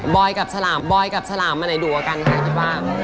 บอยกับฉาลามมายังไงดูอากันครับบ้าง